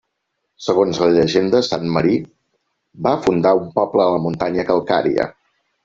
Segons la llegenda, sant Marí va fundar un poble a la muntanya calcària.